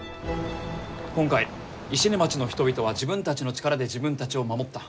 今回石音町の人々は自分たちの力で自分たちを守った。